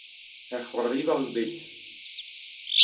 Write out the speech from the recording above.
Er c'hoariva on bet.